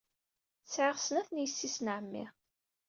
Sɛiɣ snat n yessi-s n ɛemmi.